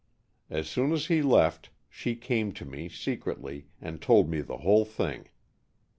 As soon as he left she came to me, secretly, and told me the whole thing.